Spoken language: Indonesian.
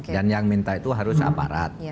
dan yang minta itu harus aparat